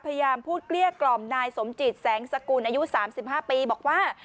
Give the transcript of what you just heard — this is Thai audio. พยายามพูดเกลี้ยกล่อมนายสมจิตแสงสกุลอายุ๓๕ปีบอกว่า